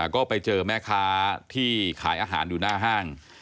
ก็ไปเจอแม่ค้าที่ขายอาหารอยู่หน้าห้าง